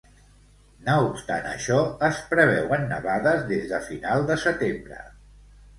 No obstant això, es preveuen nevades des de final de setembre.